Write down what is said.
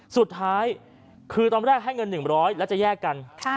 สุดท้ายคือตอนแรกให้เงิน๑๐๐แล้วจะแยกกัน